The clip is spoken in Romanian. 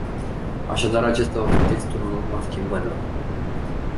Așadar, acesta va fi textul în urma schimbărilor.